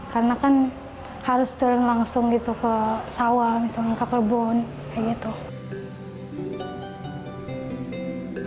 karena kan harus turun langsung ke sawah